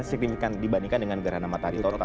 signifikan dibandingkan dengan gerhana matahari total